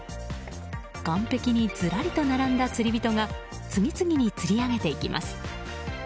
岸壁にずらりと並んだ釣り人が次々に釣り上げていきます。